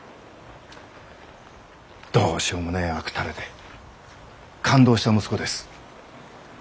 どうしようもねえ悪たれで勘当した息子です。